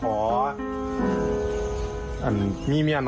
ขออันที่เบาดีหรือเปล่าเบามาก